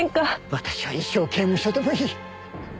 私は一生刑務所でもいい。